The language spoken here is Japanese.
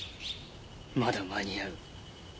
まだ間に合う。